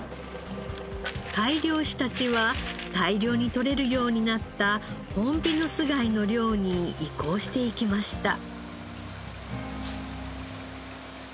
貝漁師たちは大量に取れるようになったホンビノスガイの漁に移行していきました。